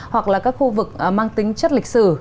hoặc là các khu vực mang tính chất lịch sử